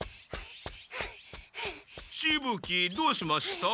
しぶ鬼どうしました？